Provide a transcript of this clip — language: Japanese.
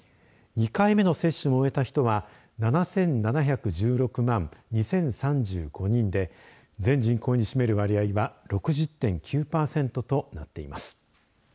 ２回目の接種も終えた人は７７１６万２０３５人で全人口に占める割合は６０．９パーセントとなっています。